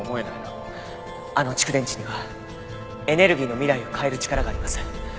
あの蓄電池にはエネルギーの未来を変える力があります。